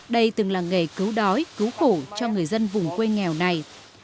đây từng là nghề cứu đói cứu khổ cho người dân vùng quê nghèo này